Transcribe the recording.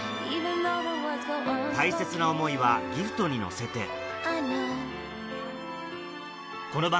大切な思いはギフトに乗せて